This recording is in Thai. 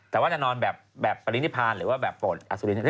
แต่ว่าจะนอนแบบปรินิพานหรือว่าแบบโปรดอสุริน